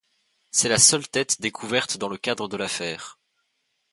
C'est la seule tête découverte dans le cadre de l'affaire.